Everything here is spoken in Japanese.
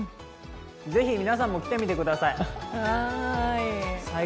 ぜひ皆さんも来てみてください、最高。